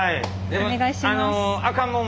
お願いします。